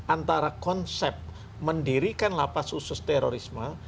antara konsep mendirikan lapas khusus terorisme